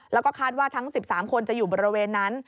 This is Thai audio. แล้วก็คาดว่าทั้ง๑๓คนจะอยู่บริเวณนั้น